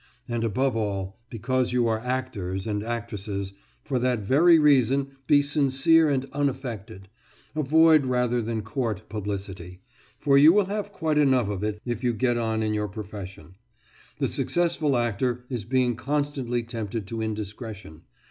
And, above all, because you are actors and actresses, for that very reason be sincere and unaffected; avoid rather than court publicity, for you will have quite enough of it if you get on in your profession; the successful actor is being constantly tempted to indiscretion.